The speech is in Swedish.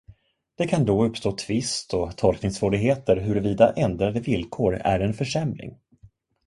Det kan då uppstå tvist och tolkningssvårigheter huruvida ändrade villkor är en försämring.